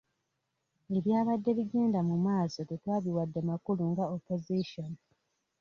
Ebyabadde bigenda mu maaso tetwabiwadde makulu nga opozisoni.